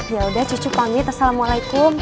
ya udah cucu pangit assalamualaikum